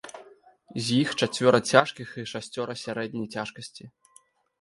З іх чацвёра цяжкіх і шасцёра сярэдняй цяжкасці.